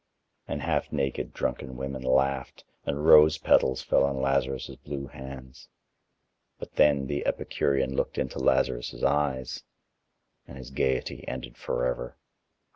And half naked drunken women laughed, and rose petals fell on Lazarus' blue hands. But then the Epicurean looked into Lazarus' eyes, and his gaiety ended forever.